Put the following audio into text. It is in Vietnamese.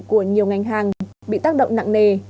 của nhiều ngành hàng bị tác động nặng nề